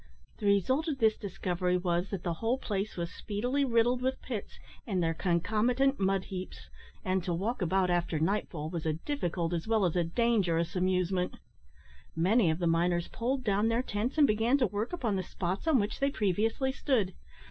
The result of this discovery was, that the whole place was speedily riddled with pits and their concomitant mud heaps, and, to walk about after night fall, was a difficult as well as a dangerous amusement. Many of the miners pulled down their tents, and began to work upon the spots on which they previously stood.